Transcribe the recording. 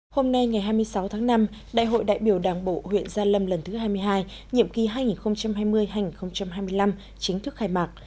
hôm nay ngày hai mươi sáu tháng năm đại hội đại biểu đảng bộ huyện gia lâm lần thứ hai mươi hai nhiệm kỳ hai nghìn hai mươi hai nghìn hai mươi năm chính thức khai mạc